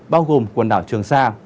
bao gồm quần đảo trường sa